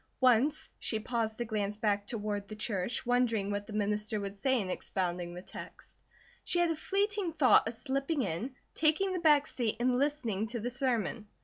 Once she paused to glance back toward the church, wondering what the minister would say in expounding that text. She had a fleeting thought of slipping in, taking the back seat and listening to the sermon.